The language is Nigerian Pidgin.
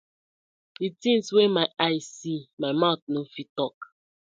Di tinz wey my eye see my mouth no fit tok.